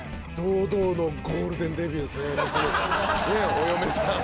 お嫁さん。